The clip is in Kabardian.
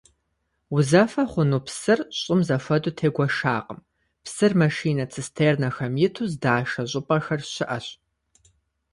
Узэфэ хъуну псыр щӀым зэхуэдэу тегуэшакъым, псыр машинэ-цистернэхэм иту здашэ щӀыпӀэхэр щыӀэщ.